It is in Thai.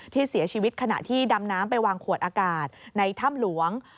ที่เสียชีวิตขณะที่ดำน้ำไปวางขวดอากาศในถ้ำหลวง